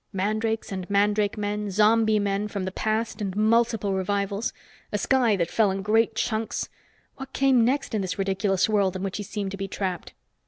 Mandrakes and mandrake men, zombie men, from the past and multiple revivals! A sky that fell in great chunks. What came next in this ridiculous world in which he seemed to be trapped?